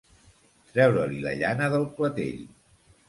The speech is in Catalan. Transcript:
Treure-li la llana del clatell.